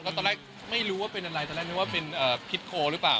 แล้วตอนแรกไม่รู้ว่าเป็นอะไรตอนแรกนึกว่าเป็นพิษโคหรือเปล่า